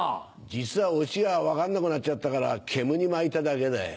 実はオチが分かんなくなっちゃったからけむに巻いただけだよ。